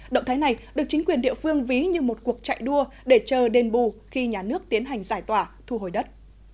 động thái này được chính quyền địa phương ví như một cuộc chạy đua để chờ đền bù khi nhà nước tiến hành giải tỏa thu hồi đất